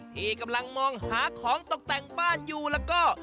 ที่กำลังมองหาของตกแต่งบ้านอยู่แล้วก็